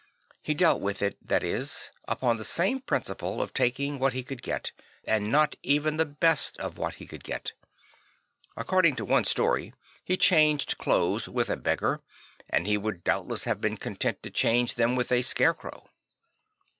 He dealt with it, that is, upon the same principle of taking what he could get, and not even the best of what he could get. According to one story he changed clothes with a beggar; and he would doubtless have been content to change them with a scare crow.